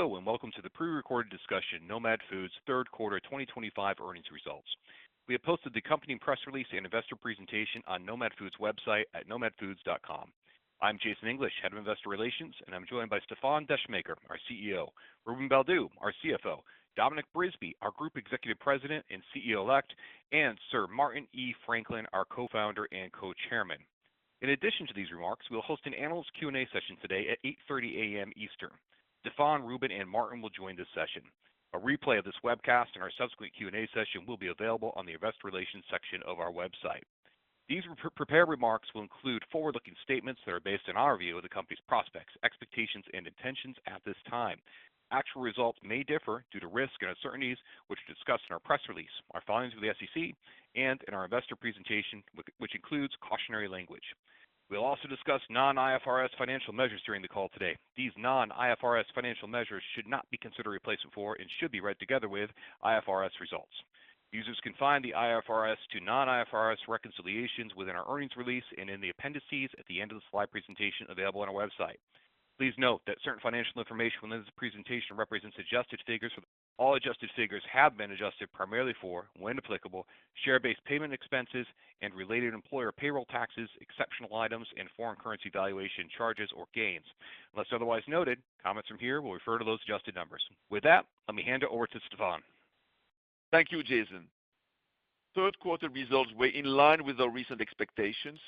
Hello, and welcome to the pre-recorded discussion, Nomad Foods' third quarter 2025 earnings results. We have posted the accompanying press release and investor presentation on Nomad Foods' website at nomadfoods.com. I'm Jason English, Head of Investor Relations, and I'm joined by Stéfan Descheemaeker, our CEO; Ruben Baldew, our CFO; Dominic Brisby, our Group Executive President and CEO-elect; and Sir Martin E. Franklin, our Co-Founder and Co-Chairman. In addition to these remarks, we'll host an analyst Q&A session today at 8:30 A.M. Eastern. Stéfan, Ruben, and Martin will join this session. A replay of this webcast and our subsequent Q&A session will be available on the Investor Relations section of our website. These prepared remarks will include forward-looking statements that are based on our view of the company's prospects, expectations, and intentions at this time. Actual results may differ due to risk and uncertainties, which are discussed in our press release, our filings with the SEC, and in our investor presentation, which includes cautionary language. We'll also discuss non-IFRS financial measures during the call today. These non-IFRS financial measures should not be considered a replacement for and should be read together with IFRS results. Users can find the IFRS to non-IFRS reconciliations within our earnings release and in the appendices at the end of the slide presentation available on our website. Please note that certain financial information within this presentation represents adjusted figures. All adjusted figures have been adjusted primarily for, when applicable, share-based payment expenses and related employer payroll taxes, exceptional items, and foreign currency valuation charges or gains. Unless otherwise noted, comments from here will refer to those adjusted numbers. With that, let me hand it over to Stéfan. Thank you, Jason. Third-quarter results were in line with our recent expectations,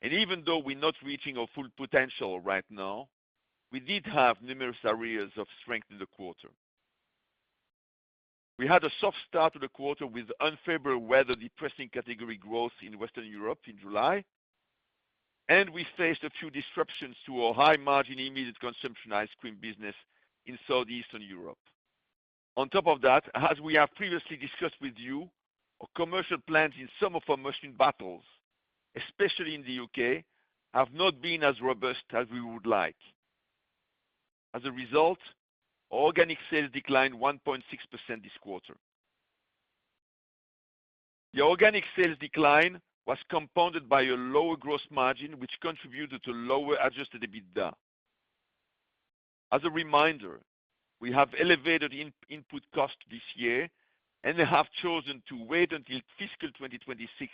and even though we're not reaching our full potential right now, we did have numerous areas of strength in the quarter. We had a soft start to the quarter with unfavorable weather depressing category growth in Western Europe in July, and we faced a few disruptions to our high-margin immediate consumption ice cream business in Southeastern Europe. On top of that, as we have previously discussed with you, our commercial plans in some of our market battles, especially in the U.K., have not been as robust as we would like. As a result, organic sales declined 1.6% this quarter. The organic sales decline was compounded by a lower gross margin, which contributed to lower Adjusted EBITDA. As a reminder, we have elevated input costs this year and have chosen to wait until fiscal 2026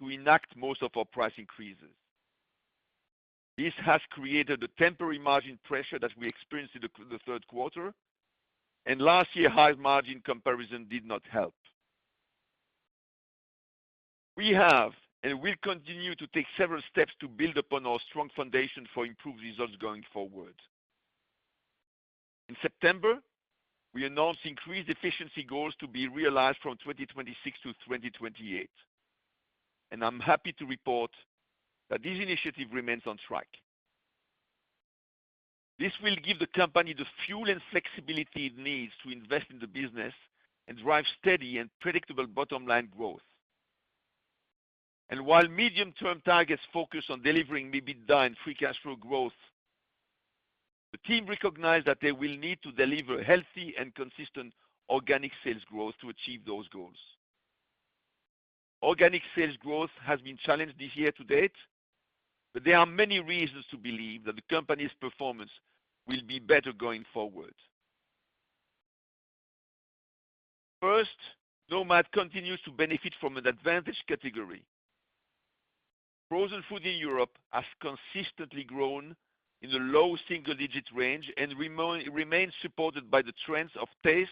to enact most of our price increases. This has created a temporary margin pressure that we experienced in the third quarter, and last year's high margin comparison did not help. We have and will continue to take several steps to build upon our strong foundation for improved results going forward. In September, we announced increased efficiency goals to be realized from 2026 to 2028, and I'm happy to report that this initiative remains on track. This will give the company the fuel and flexibility it needs to invest in the business and drive steady and predictable bottom-line growth. And while medium-term targets focus on delivering EBITDA and free cash flow growth, the team recognized that they will need to deliver healthy and consistent organic sales growth to achieve those goals. Organic sales growth has been challenged this year to date, but there are many reasons to believe that the company's performance will be better going forward. First, Nomad continues to benefit from an advantage category. Frozen food in Europe has consistently grown in a low single-digit range and remains supported by the trends of taste,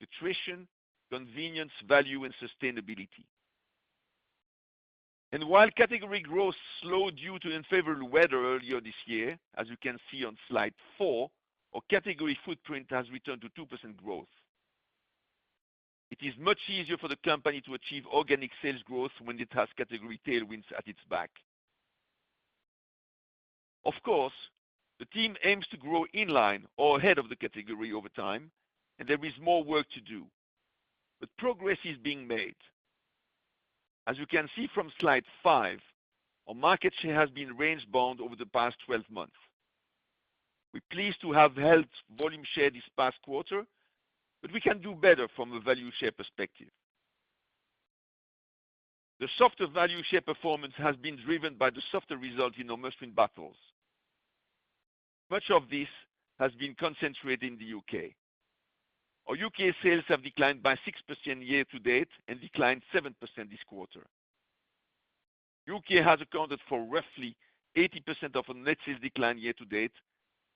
nutrition, convenience, value, and sustainability. And while category growth slowed due to unfavorable weather earlier this year, as you can see on Slide 4, our category footprint has returned to 2% growth. It is much easier for the company to achieve organic sales growth when it has category tailwinds at its back. Of course, the team aims to grow in line or ahead of the category over time, and there is more work to do, but progress is being made. As you can see from Slide 5, our market share has been range-bound over the past 12 months. We're pleased to have held volume share this past quarter, but we can do better from a value share perspective. The softer value share performance has been driven by the softer results in our must-win battles. Much of this has been concentrated in the U.K. Our U.K. sales have declined by 6% year to date and declined 7% this quarter. U.K. has accounted for roughly 80% of our net sales decline year to date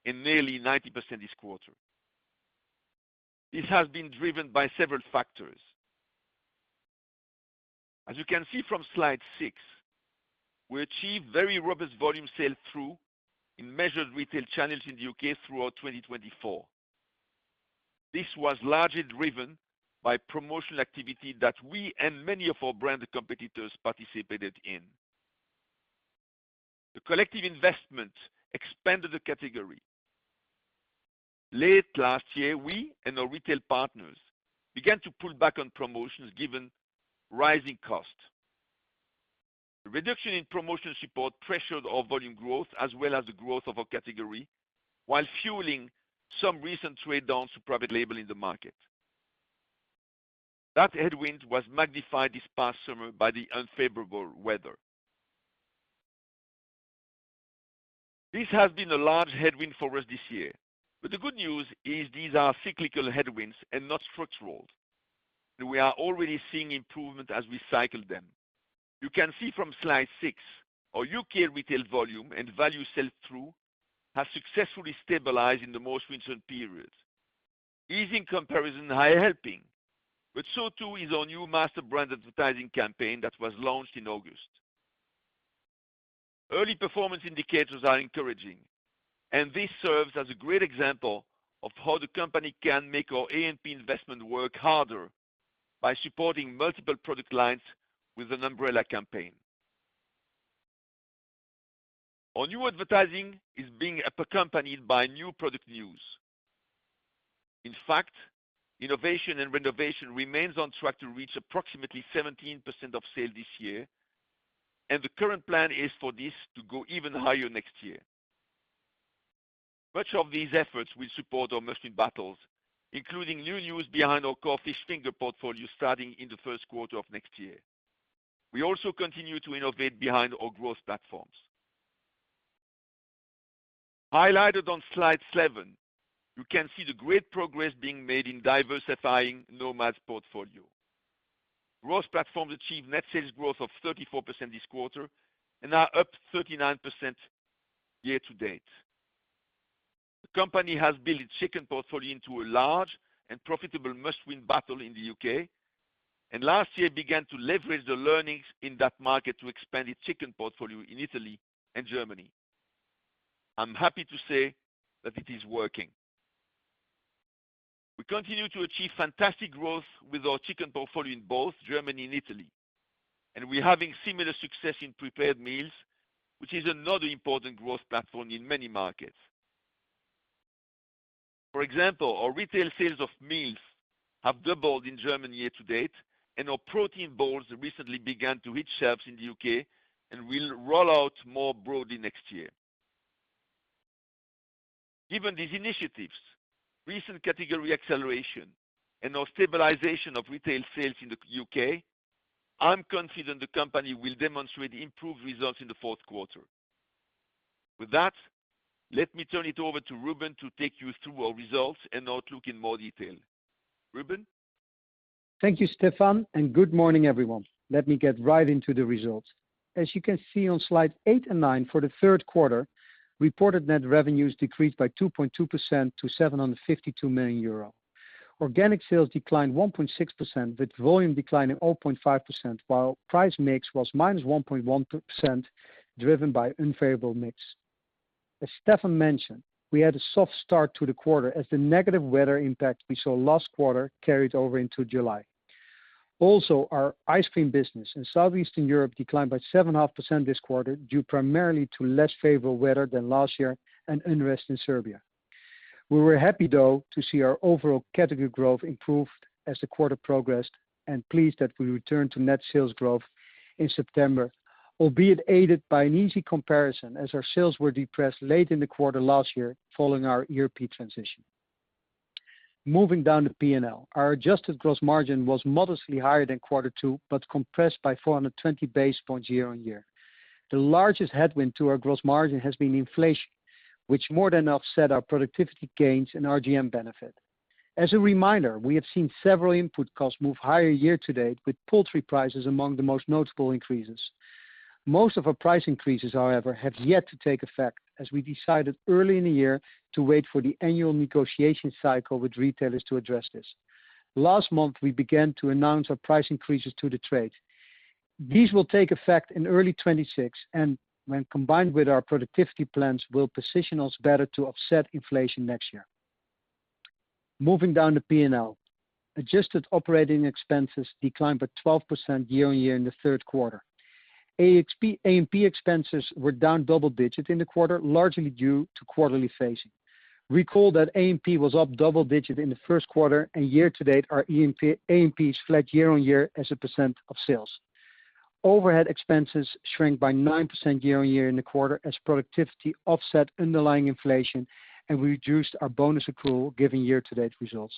and nearly 90% this quarter. This has been driven by several factors. As you can see from Slide 6, we achieved very robust volume sales through a measured retail challenge in the U.K. throughout 2024. This was largely driven by promotional activity that we and many of our brand competitors participated in. The collective investment expanded the category. Late last year, we and our retail partners began to pull back on promotions given rising costs. The reduction in promotion support pressured our volume growth as well as the growth of our category, while fueling some recent trade-downs to private label in the market. That headwind was magnified this past summer by the unfavorable weather. This has been a large headwind for us this year, but the good news is these are cyclical headwinds and not structural, and we are already seeing improvement as we cycle them. You can see from Slide 6, our U.K. retail volume and value sell-through have successfully stabilized in the most recent period. Easing comparisons is helping, but so too is our new master brand advertising campaign that was launched in August. Early performance indicators are encouraging, and this serves as a great example of how the company can make our A&P investment work harder by supporting multiple product lines with an umbrella campaign. Our new advertising is being accompanied by new product newness. In fact, innovation and renovation remain on track to reach approximately 17% of sales this year, and the current plan is for this to go even higher next year. Much of these efforts will support our main battles, including newness behind our core fish finger portfolio starting in the first quarter of next year. We also continue to innovate behind our growth platforms. Highlighted on slide seven, you can see the great progress being made in diversifying Nomad's portfolio. Growth platforms achieved net sales growth of 34% this quarter and are up 39% year to date. The company has built its chicken portfolio into a large and profitable must-win battle in the U.K., and last year began to leverage the learnings in that market to expand its chicken portfolio in Italy and Germany. I'm happy to say that it is working. We continue to achieve fantastic growth with our chicken portfolio in both Germany and Italy, and we're having similar success in prepared meals, which is another important growth platform in many markets. For example, our retail sales of meals have doubled in Germany year to date, and our protein bowls recently began to hit shelves in the U.K. and will roll out more broadly next year. Given these initiatives, recent category acceleration, and our stabilization of retail sales in the U.K., I'm confident the company will demonstrate improved results in the fourth quarter. With that, let me turn it over to Ruben to take you through our results and outlook in more detail. Ruben? Thank you, Stéfan, and good morning, everyone. Let me get right into the results. As you can see on Slides 8 and 9, for the third quarter, reported net revenues decreased by 2.2% to 752 million euro. Organic sales declined 1.6%, with volume declining 0.5%, while price mix was minus 1.1%, driven by unfavorable mix. As Stéfan mentioned, we had a soft start to the quarter as the negative weather impact we saw last quarter carried over into July. Also, our ice cream business in Southeastern Europe declined by 7.5% this quarter due primarily to less favorable weather than last year and unrest in Serbia. We were happy, though, to see our overall category growth improved as the quarter progressed and pleased that we returned to net sales growth in September, albeit aided by an easy comparison as our sales were depressed late in the quarter last year following our ERP transition. Moving down the P&L, our adjusted gross margin was modestly higher than quarter two, but compressed by 420 basis points year on year. The largest headwind to our gross margin has been inflation, which more than offsets our productivity gains and RGM benefit. As a reminder, we have seen several input costs move higher year to date, with poultry prices among the most notable increases. Most of our price increases, however, have yet to take effect, as we decided early in the year to wait for the annual negotiation cycle with retailers to address this. Last month, we began to announce our price increases to the trade. These will take effect in early 2026, and when combined with our productivity plans, will position us better to offset inflation next year. Moving down the P&L, adjusted operating expenses declined by 12% year on year in the third quarter. A&P expenses were down double-digit in the quarter, largely due to quarterly phasing. Recall that A&P was up double-digit in the first quarter, and year to date, our A&Ps held year on year as a percent of sales. Overhead expenses shrank by 9% year on year in the quarter as productivity offset underlying inflation and reduced our bonus accrual given year-to-date results.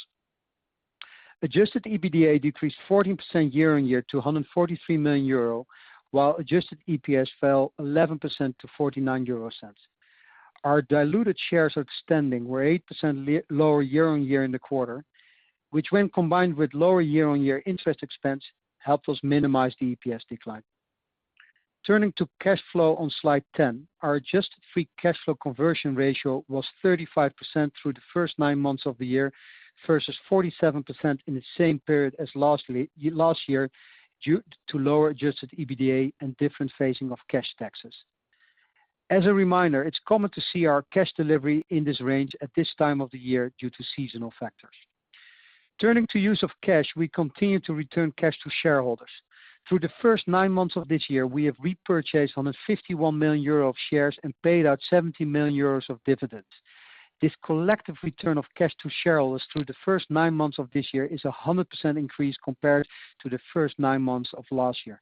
Adjusted EBITDA decreased 14% year on year to €143 million, while Adjusted EPS fell 11% to 0.49. Our diluted shares outstanding were 8% lower year on year in the quarter, which, when combined with lower year-on-year interest expense, helped us minimize the EPS decline. Turning to cash flow on Slide 10, our adjusted free cash flow conversion ratio was 35% through the first nine months of the year versus 47% in the same period as last year due to lower adjusted EBITDA and different phasing of cash taxes. As a reminder, it's common to see our cash delivery in this range at this time of the year due to seasonal factors. Turning to use of cash, we continue to return cash to shareholders. Through the first nine months of this year, we have repurchased 151 million euros of shares and paid out 70 million euros of dividends. This collective return of cash to shareholders through the first nine months of this year is a 100% increase compared to the first nine months of last year.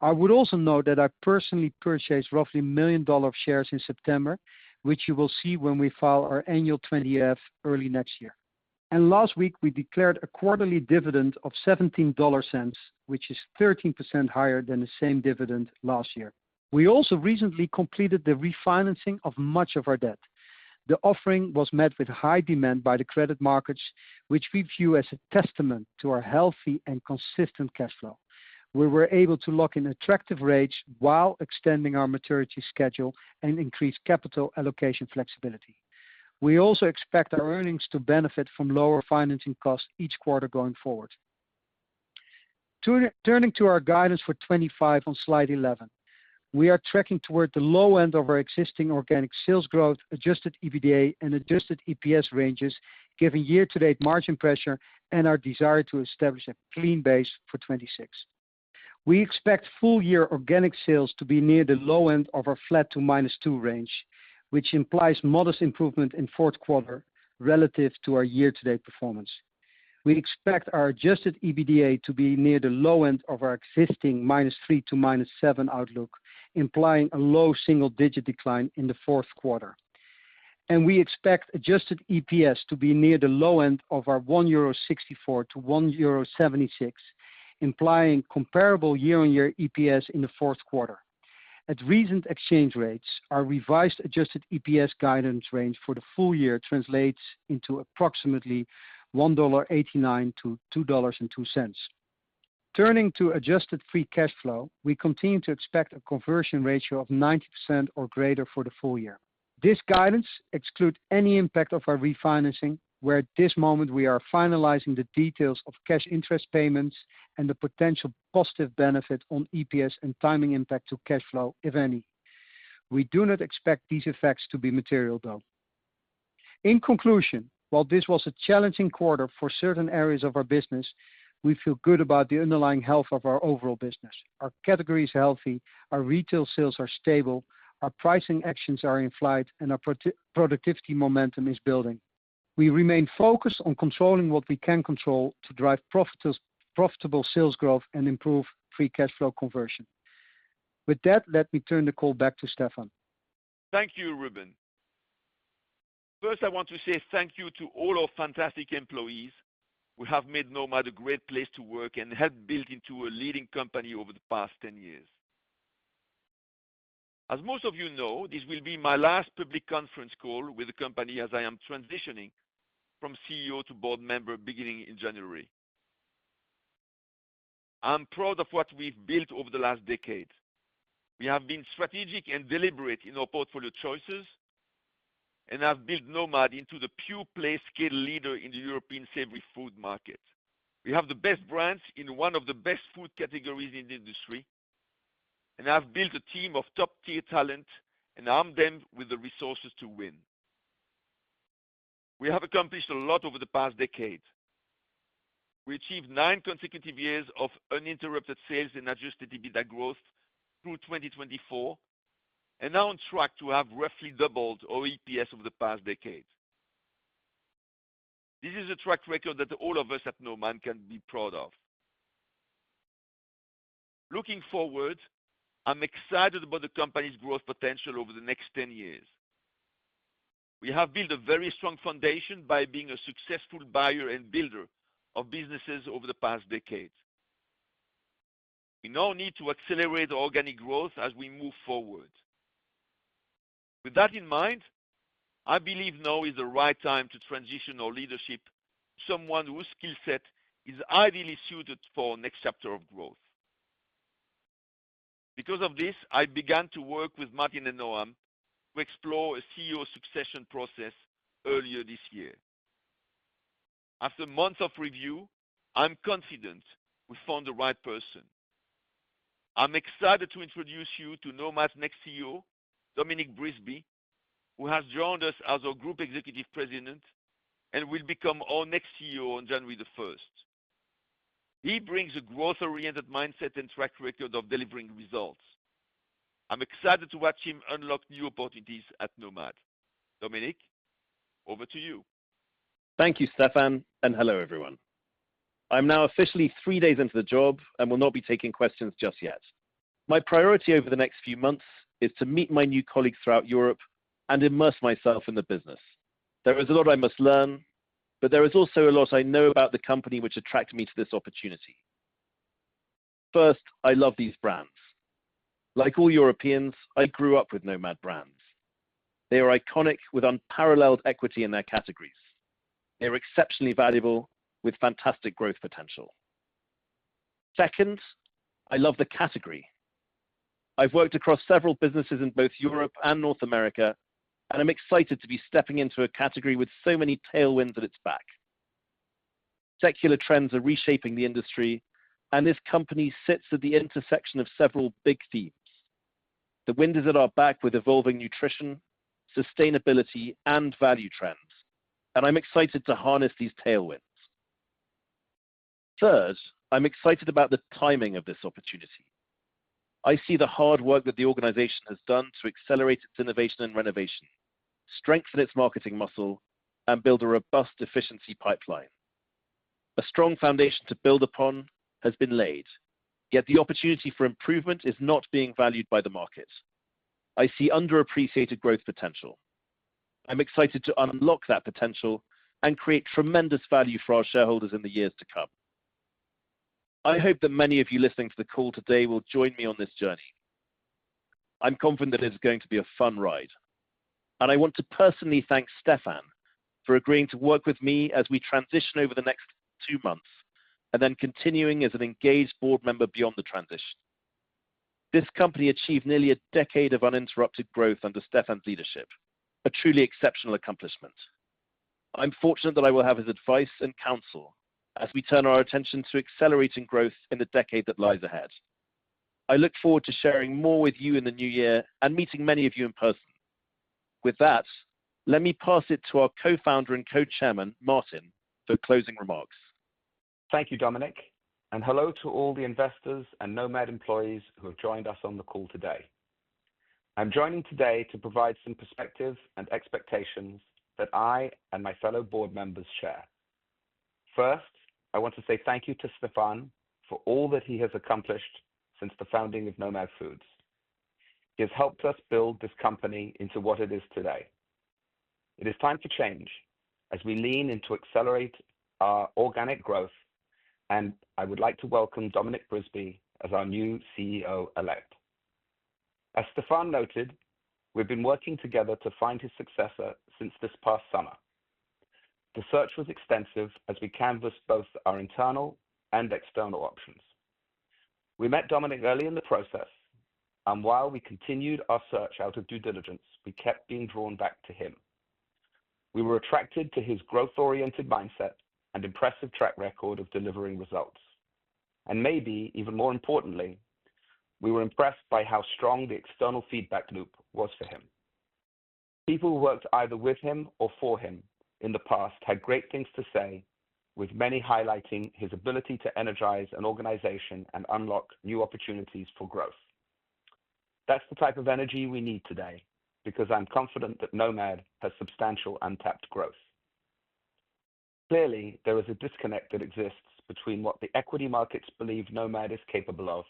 I would also note that I personally purchased roughly $1 million of shares in September, which you will see when we file our annual 20-F early next year, and last week, we declared a quarterly dividend of $0.17, which is 13% higher than the same dividend last year. We also recently completed the refinancing of much of our debt. The offering was met with high demand by the credit markets, which we view as a testament to our healthy and consistent cash flow. We were able to lock in attractive rates while extending our maturity schedule and increase capital allocation flexibility. We also expect our earnings to benefit from lower financing costs each quarter going forward. Turning to our guidance for 2025 on Slide 11, we are tracking toward the low end of our existing organic sales growth, Adjusted EBITDA, and Adjusted EPS ranges, given year-to-date margin pressure and our desire to establish a clean base for 2026. We expect full-year organic sales to be near the low end of our flat to minus two range, which implies modest improvement in fourth quarter relative to our year-to-date performance. We expect our Adjusted EBITDA to be near the low end of our existing minus three to minus seven outlook, implying a low single-digit decline in the fourth quarter. And we expect Adjusted EPS to be near the low end of our 1.64 euro to 1.76 euro, implying comparable year-on-year EPS in the fourth quarter. At recent exchange rates, our revised Adjusted EPS guidance range for the full year translates into approximately $1.89 to $2.02. Turning to adjusted free cash flow, we continue to expect a conversion ratio of 90% or greater for the full year. This guidance excludes any impact of our refinancing, where at this moment we are finalizing the details of cash interest payments and the potential positive benefit on EPS and timing impact to cash flow, if any. We do not expect these effects to be material, though. In conclusion, while this was a challenging quarter for certain areas of our business, we feel good about the underlying health of our overall business. Our category is healthy, our retail sales are stable, our pricing actions are in flight, and our productivity momentum is building. We remain focused on controlling what we can control to drive profitable sales growth and improve free cash flow conversion. With that, let me turn the call back to Stéfan. Thank you, Ruben. First, I want to say thank you to all our fantastic employees. We have made Nomad a great place to work and helped build into a leading company over the past 10 years. As most of you know, this will be my last public conference call with the company as I am transitioning from CEO to board member beginning in January. I'm proud of what we've built over the last decade. We have been strategic and deliberate in our portfolio choices, and I've built Nomad into the pure-play scale leader in the European savory food market. We have the best brands in one of the best food categories in the industry, and I've built a team of top-tier talent and armed them with the resources to win. We have accomplished a lot over the past decade. We achieved nine consecutive years of uninterrupted sales and Adjusted EBITDA growth through 2024, and now on track to have roughly doubled our EPS over the past decade. This is a track record that all of us at Nomad can be proud of. Looking forward, I'm excited about the company's growth potential over the next 10 years. We have built a very strong foundation by being a successful buyer and builder of businesses over the past decade. We now need to accelerate organic growth as we move forward. With that in mind, I believe now is the right time to transition our leadership to someone whose skill set is ideally suited for our next chapter of growth. Because of this, I began to work with Martin and Noam to explore a CEO succession process earlier this year. After months of review, I'm confident we found the right person. I'm excited to introduce you to Nomad's next CEO, Dominic Brisby, who has joined us as our Group Executive President and will become our next CEO on January the 1st. He brings a growth-oriented mindset and track record of delivering results. I'm excited to watch him unlock new opportunities at Nomad. Dominic, over to you. Thank you, Stéfan, and hello, everyone. I'm now officially three days into the job and will not be taking questions just yet. My priority over the next few months is to meet my new colleagues throughout Europe and immerse myself in the business. There is a lot I must learn, but there is also a lot I know about the company which attracted me to this opportunity. First, I love these brands. Like all Europeans, I grew up with Nomad brands. They are iconic with unparalleled equity in their categories. They are exceptionally valuable with fantastic growth potential. Second, I love the category. I've worked across several businesses in both Europe and North America, and I'm excited to be stepping into a category with so many tailwinds at its back. Secular trends are reshaping the industry, and this company sits at the intersection of several big themes. The wind is at our back with evolving nutrition, sustainability, and value trends, and I'm excited to harness these tailwinds. Third, I'm excited about the timing of this opportunity. I see the hard work that the organization has done to accelerate its innovation and renovation, strengthen its marketing muscle, and build a robust efficiency pipeline. A strong foundation to build upon has been laid, yet the opportunity for improvement is not being valued by the market. I see underappreciated growth potential. I'm excited to unlock that potential and create tremendous value for our shareholders in the years to come. I hope that many of you listening to the call today will join me on this journey. I'm confident that it's going to be a fun ride, and I want to personally thank Stéfan for agreeing to work with me as we transition over the next two months and then continuing as an engaged board member beyond the transition. This company achieved nearly a decade of uninterrupted growth under Stéfan's leadership, a truly exceptional accomplishment. I'm fortunate that I will have his advice and counsel as we turn our attention to accelerating growth in the decade that lies ahead. I look forward to sharing more with you in the new year and meeting many of you in person. With that, let me pass it to our co-founder and co-chairman, Martin, for closing remarks. Thank you, Dominic, and hello to all the investors and Nomad employees who have joined us on the call today. I'm joining today to provide some perspective and expectations that I and my fellow board members share. First, I want to say thank you to Stéfan for all that he has accomplished since the founding of Nomad Foods. He has helped us build this company into what it is today. It is time for change as we lean into accelerate our organic growth, and I would like to welcome Dominic Brisby as our new CEO-elect. As Stéfan noted, we've been working together to find his successor since this past summer. The search was extensive as we canvassed both our internal and external options. We met Dominic early in the process, and while we continued our search out of due diligence, we kept being drawn back to him. We were attracted to his growth-oriented mindset and impressive track record of delivering results. And maybe even more importantly, we were impressed by how strong the external feedback loop was for him. People who worked either with him or for him in the past had great things to say, with many highlighting his ability to energize an organization and unlock new opportunities for growth. That's the type of energy we need today because I'm confident that Nomad has substantial untapped growth. Clearly, there is a disconnect that exists between what the equity markets believe Nomad is capable of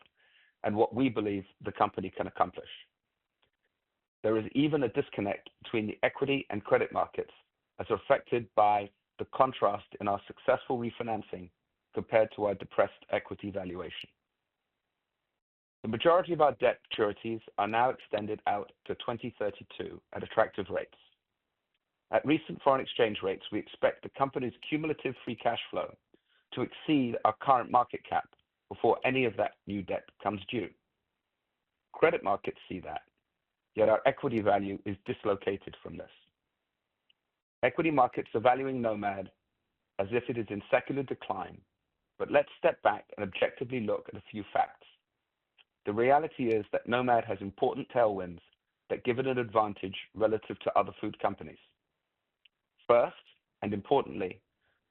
and what we believe the company can accomplish. There is even a disconnect between the equity and credit markets as affected by the contrast in our successful refinancing compared to our depressed equity valuation. The majority of our debt securities are now extended out to 2032 at attractive rates. At recent foreign exchange rates, we expect the company's cumulative free cash flow to exceed our current market cap before any of that new debt comes due. Credit markets see that, yet our equity value is dislocated from this. Equity markets are valuing Nomad as if it is in secular decline, but let's step back and objectively look at a few facts. The reality is that Nomad has important tailwinds that give it an advantage relative to other food companies. First and importantly,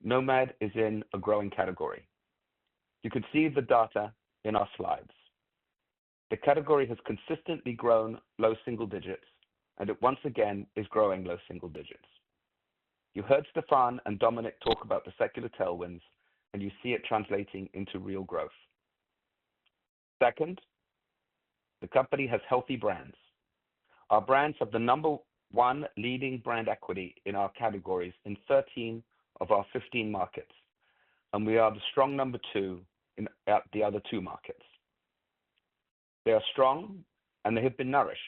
Nomad is in a growing category. You can see the data in our slides. The category has consistently grown low single digits, and it once again is growing low single digits. You heard Stéfan and Dominic talk about the secular tailwinds, and you see it translating into real growth. Second, the company has healthy brands. Our brands have the number one leading brand equity in our categories in 13 of our 15 markets, and we are the strong number two in the other two markets. They are strong, and they have been nourished.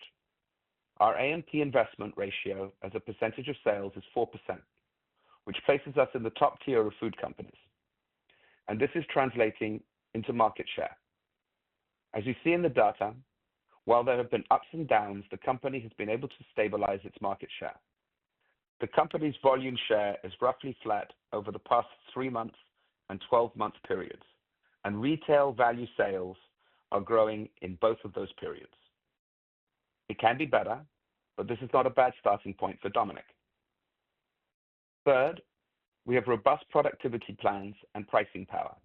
Our A&P investment ratio as a percentage of sales is 4%, which places us in the top tier of food companies, and this is translating into market share. As you see in the data, while there have been ups and downs, the company has been able to stabilize its market share. The company's volume share is roughly flat over the past three months and 12-month periods, and retail value sales are growing in both of those periods. It can be better, but this is not a bad starting point for Dominic. Third, we have robust productivity plans and pricing power.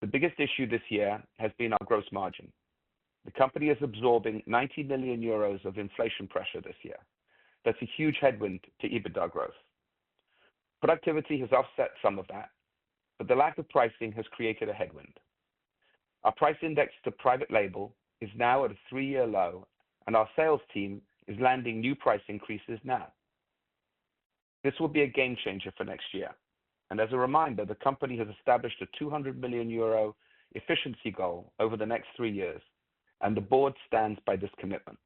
The biggest issue this year has been our gross margin. The company is absorbing 90 million euros of inflation pressure this year. That's a huge headwind to EBITDA growth. Productivity has offset some of that, but the lack of pricing has created a headwind. Our price index to private label is now at a three-year low, and our sales team is landing new price increases now. This will be a game changer for next year, and as a reminder, the company has established a 200 million euro efficiency goal over the next three years, and the board stands by this commitment.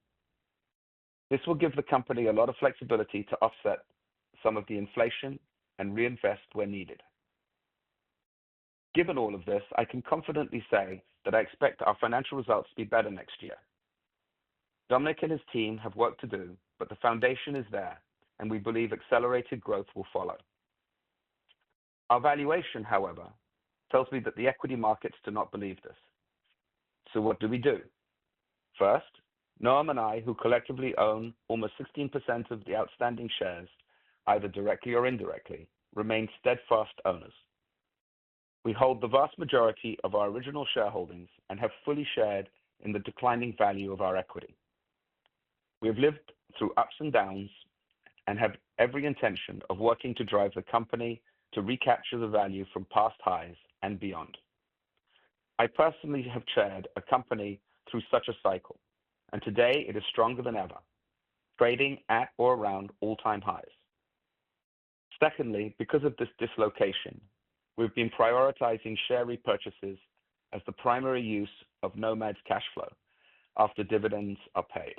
This will give the company a lot of flexibility to offset some of the inflation and reinvest where needed. Given all of this, I can confidently say that I expect our financial results to be better next year. Dominic and his team have work to do, but the foundation is there, and we believe accelerated growth will follow. Our valuation, however, tells me that the equity markets do not believe this. So what do we do? First, Noam and I, who collectively own almost 16% of the outstanding shares either directly or indirectly, remain steadfast owners. We hold the vast majority of our original shareholdings and have fully shared in the declining value of our equity. We have lived through ups and downs and have every intention of working to drive the company to recapture the value from past highs and beyond. I personally have chaired a company through such a cycle, and today it is stronger than ever, trading at or around all-time highs. Secondly, because of this dislocation, we've been prioritizing share repurchases as the primary use of Nomad's cash flow after dividends are paid.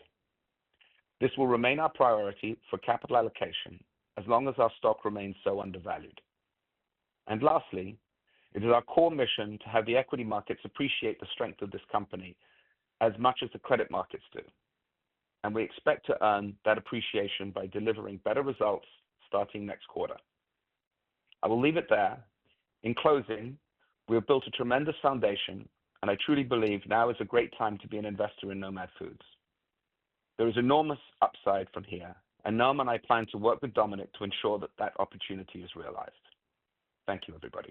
This will remain our priority for capital allocation as long as our stock remains so undervalued. Lastly, it is our core mission to have the equity markets appreciate the strength of this company as much as the credit markets do, and we expect to earn that appreciation by delivering better results starting next quarter. I will leave it there. In closing, we have built a tremendous foundation, and I truly believe now is a great time to be an investor in Nomad Foods. There is enormous upside from here, and Noam and I plan to work with Dominic to ensure that that opportunity is realized. Thank you, everybody.